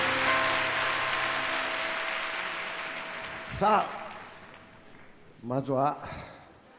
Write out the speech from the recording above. さあまずは。